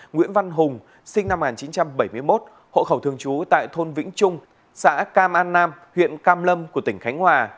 nguyễn văn hùng sinh năm một nghìn chín trăm bảy mươi một hộ khẩu thường trú tại thôn vĩnh trung xã cam an nam huyện cam lâm của tỉnh khánh hòa